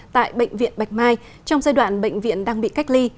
tại bệnh viện bạch mai trong giai đoạn bệnh viện đang bị cách ly